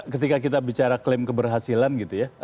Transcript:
ketika kita bicara klaim keberhasilan gitu ya